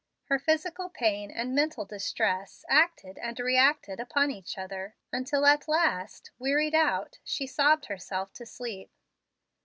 Her physical pain and mental distress acted and reacted upon each other, until at last, wearied out, she sobbed herself to sleep.